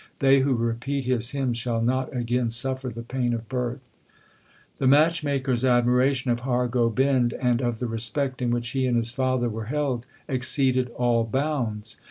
They who repeat his hymns shall not again suffer the pain of birth. 2 The matchmakers admiration of Har Gobind and of the respect in which he and his father were held, exceeded all bounds.